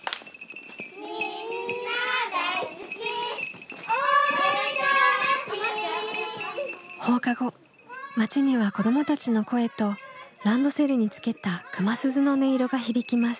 みんな大好き大森の町放課後町には子どもたちの声とランドセルにつけた熊鈴の音色が響きます。